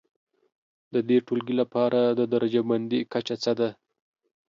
د دې ټولګي لپاره د درجه بندي کچه څه ده؟